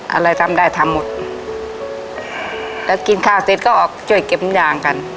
อะไรทำได้ทำหมดแล้วกินข้าวเสร็จก็ออกช่วยเก็บยางกัน